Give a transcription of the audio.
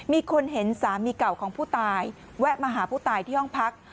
มีคนเห็นสามีเก่าของผู้ตายแวะมาหาผู้ตายที่ห้องพัก